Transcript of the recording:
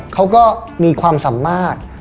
เค้าก็มีความสัมมาตย์